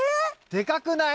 でかくない？